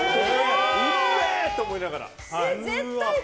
うめえ！と思いながら。